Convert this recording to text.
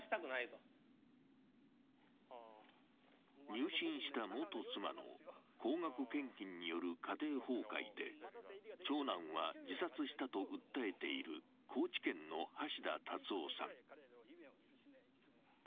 入信した元妻の高額献金による家庭崩壊で、長男は自殺したと訴えている高知県の橋田達夫さん。